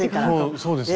そうですよね。